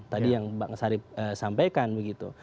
tadi yang mbak ngesari sampaikan begitu